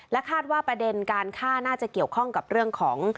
คาดว่าประเด็นการฆ่าน่าจะเกี่ยวข้องกับเรื่องของ